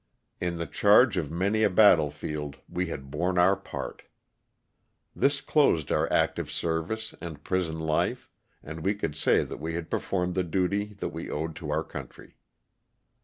In the charge on many a battlefield we had borne our part. This closed our active service and prison life and we could say that we had performed the duty that we owed to our country.